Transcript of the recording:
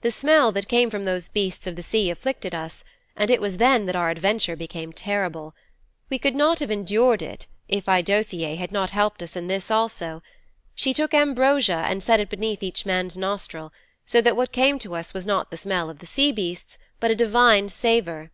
The smell that came from those beasts of the sea afflicted us, and it was then that our adventure became terrible. We could not have endured it if Eidothëe had not helped us in this also. She took ambrosia and set it beneath each man's nostril, so that what came to us was not the smell of the sea beasts but a divine savour.